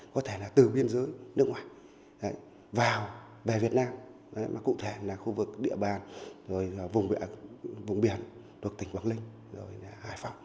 có thể là từ biên giới nước ngoài vào về việt nam cụ thể là khu vực địa bàn vùng biển tỉnh bắc linh